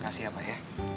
makasih ya pak ya